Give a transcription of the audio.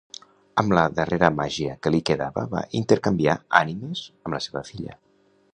Amb la darrera màgia que li quedava va intercanviar ànimes amb la seva filla.